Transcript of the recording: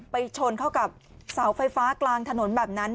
ชนเข้ากับเสาไฟฟ้ากลางถนนแบบนั้น